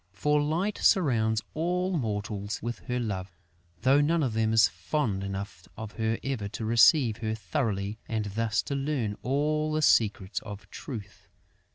For Light surrounds all mortals with her love, though none of them is fond enough of her ever to receive her thoroughly and thus to learn all the secrets of Truth.